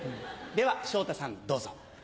では昇太さんどうぞ。